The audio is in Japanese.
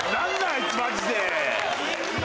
あいつマジで。